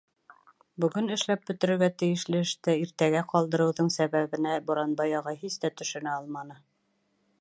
Бөгөн эшләп бөтөрөргә тейешле эште иртәгә ҡалдырыуҙың сәбәбенә Буранбай ағай һис тә төшөнә алманы.